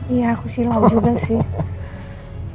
iya aku silau juga sih